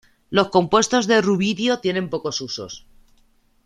Los compuestos de rubidio tienen pocos usos.